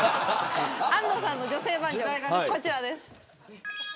安藤さんの女性バージョンこちらです。